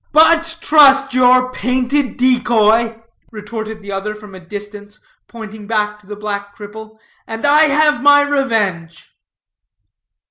"But trust your painted decoy," retorted the other from a distance, pointing back to the black cripple, "and I have my revenge."